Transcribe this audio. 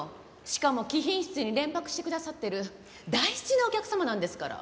しかも貴賓室に連泊してくださってる大事なお客様なんですから。